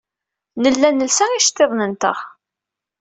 Nella nelsa iceḍḍiḍen-nteɣ.